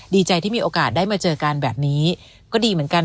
ดีใจที่มีโอกาสได้มาเจอกันแบบนี้ก็ดีเหมือนกัน